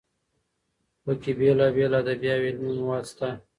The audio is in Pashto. پکې بېلابېل ادبي او علمي مواد شته.